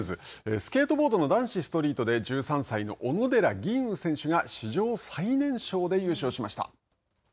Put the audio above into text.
スケートボードの男子ストリートで１３歳の小野寺吟雲選手が史上最年少で優勝しました。